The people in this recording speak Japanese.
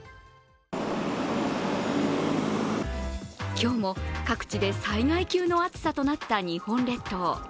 今日も各地で災害級の暑さとなった日本列島。